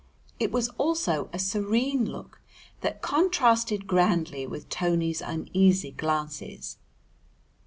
It was also a serene look that contrasted grandly with Tony's uneasy glances.